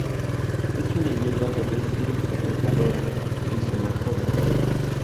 Es una hierba terrestre o trepadora, rizomatosa.